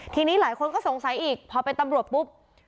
ทีนี้หลายคนก็สงสัยอีกพอเป็นตำรวจปุ๊บ